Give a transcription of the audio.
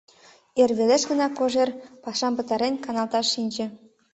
Эр велеш гына Кожер, пашам пытарен, каналташ шинче.